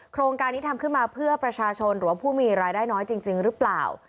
โครงการนี้ทำขึ้นมาเพื่อประชาชนหรือว่าผู้มีรายได้น้อยจริงหรือเปล่า